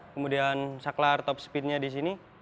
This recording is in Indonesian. kemudian saklar top speednya di sini